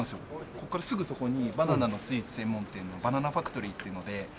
ここからすぐそこにバナナのスイーツ専門店のＢＡＮＡＮＡＦＡＣＴＯＲＹっていうので。